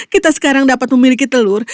kita sekarang dapat memiliki telur